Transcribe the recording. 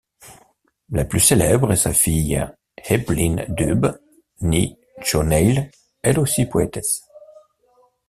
La plus célèbre est sa fille Eibhlín Dubh Ní Chonaill, elle aussi poétesse.